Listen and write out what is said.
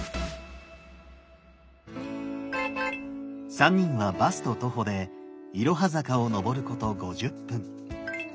３人はバスと徒歩でいろは坂を上ること５０分。